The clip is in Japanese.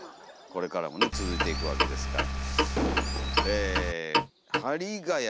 これからもね続いていくわけですから。